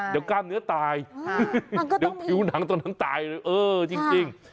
เดี๋ยวกล้ามเนื้อตายเดี๋ยวผิวหนังตรงนั้นตายเลยเออจริง